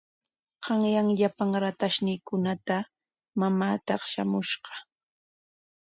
Qanyan llapan ratayniikuna mamaa taqshamushqa.